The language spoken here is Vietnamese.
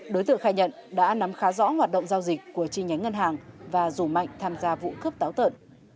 đối tượng khai nhận đã nắm khá rõ hoạt động giao dịch của chi nhánh ngân hàng và rủ mạnh tham gia vụ cướp táo tợn